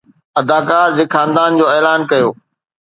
اداڪار جي خاندان جو اعلان ڪيو